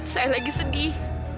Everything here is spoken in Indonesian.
saya lagi sedih